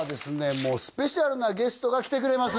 もうスペシャルなゲストが来てくれます